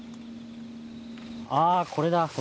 ああこれだ。